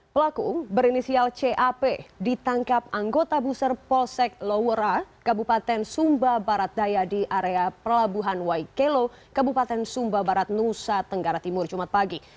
pelaku berinisial cap ditangkap anggota buser polsek loura kebupaten sumba barat dayadi area pelabuhan waikelo kebupaten sumba barat nusa tenggara timur jumat pagi